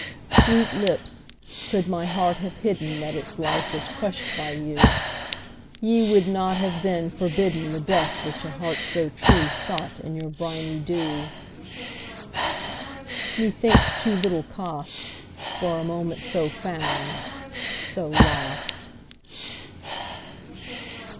_15 4. Sweet lips, could my heart have hidden That its life was crushed by you, Ye would not have then forbidden The death which a heart so true Sought in your briny dew. _20 5. ......... Methinks too little cost For a moment so found, so lost!